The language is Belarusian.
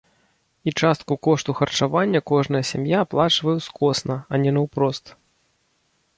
І частку кошту харчавання кожная сям'я аплачвае ўскосна, а не наўпрост.